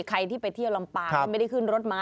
ใครที่ไปเที่ยวลำปางก็ไม่ได้ขึ้นรถมา